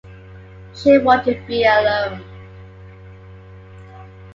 She wanted to be alone.